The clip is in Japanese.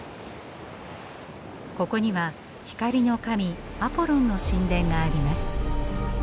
ここには光の神アポロンの神殿があります。